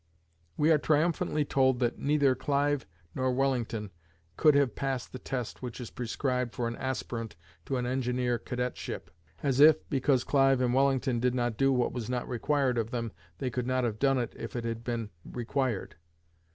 We are triumphantly told that neither Clive nor Wellington could have passed the test which is prescribed for an aspirant to an engineer cadetship; as if, because Clive and Wellington did not do what was not required of them, they could not have done it if it had been required.